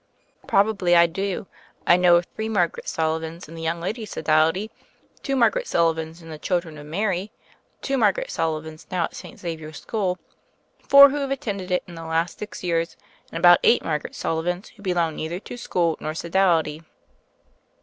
"Probably I do. I know of three Margaret Sullivans in the Young Ladies' Sodality, two Margaret Sullivans in the Children of Mary, two Margaret Sullivans now at St. Xavier School, four who have attended it in the last six years, and about eight Margaret Sullivans who belong neither to school nor sodality."